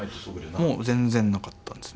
もう全然なかったんですね。